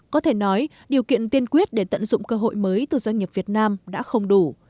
có thể nói điều kiện tiên quyết để tận dụng cơ hội mới từ doanh nghiệp việt nam đã không đủ